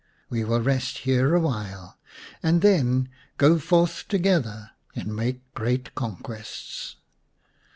We will rest here awhile and then go forth together and make great conquests."